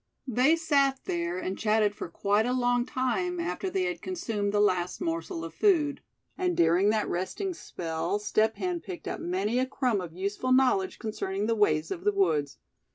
They sat there, and chatted for quite a long time after they had consumed the last morsel of food. And during that resting spell Step Hen picked up many a crumb of useful knowledge concerning the ways of the woods.